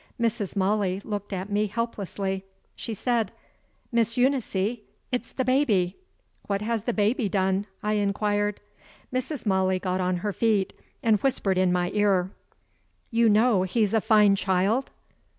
Mrs. Molly looked at me helplessly. She said: "Miss Eunice, it's the baby." "What has the baby done?" I inquired. Mrs. Molly got on her feet, and whispered in my ear: "You know he's a fine child?"